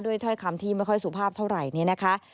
ด้วยคำที่ไม่ค่อยสุภาพเท่าไหร่